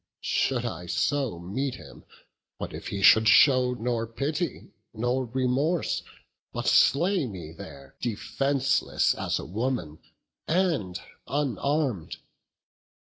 Should I so meet him, what if he should show Nor pity nor remorse, but slay me there, Defenceless as a woman, and unarm'd?